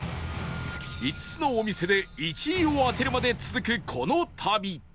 ５つのお店で１位を当てるまで続くこの旅